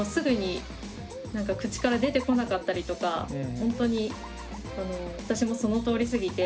ほんとに私もそのとおりすぎて。